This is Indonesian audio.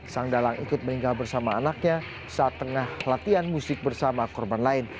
sang dalang ikut meninggal bersama anaknya saat tengah latihan musik bersama korban lain